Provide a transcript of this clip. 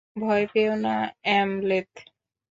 ভয় পেয়ো না, অ্যামলেথ।